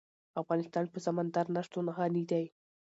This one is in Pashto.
افغانستان په سمندر نه شتون غني دی.